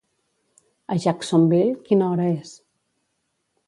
A Jacksonville quina hora és?